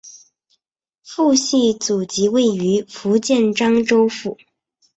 父系祖籍位于福建漳州府。